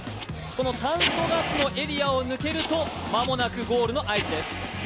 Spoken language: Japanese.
この炭素ガスのエリアを抜けると間もなくゴールの合図です。